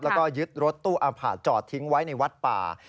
แล้วก็ยึดรถตู้อาผ่าจอดทิ้งไว้ในวัดป่า